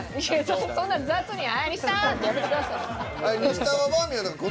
そんな雑に「はいにしたん」ってやめてください。